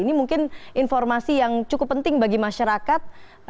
ini mungkin informasi yang cukup penting bagi masyarakat